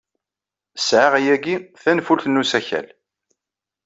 Sɛiɣ yagi tanfult n usakal.